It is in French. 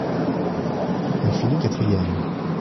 Elle finit quatrième.